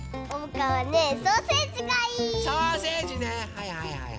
はいはいはい。